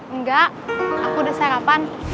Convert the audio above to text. enggak aku udah sarapan